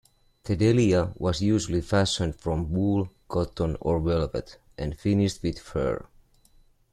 The delia was usually fashioned from wool, cotton, or velvet, and finished with fur.